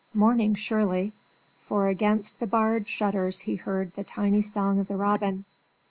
Morning, surely; for against the barred shutters he heard the tiny song of the robin.